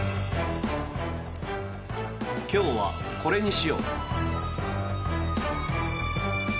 今日はこれにしよう！